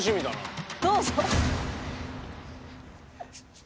どうぞ！